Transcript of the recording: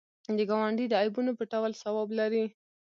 د ګاونډي د عیبونو پټول ثواب لري